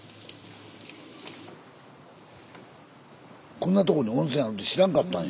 こんなとこに温泉あるって知らんかったんよ。